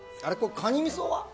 カニみそは？